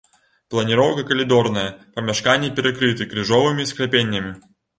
Планіроўка калідорная, памяшканні перакрыты крыжовымі скляпеннямі.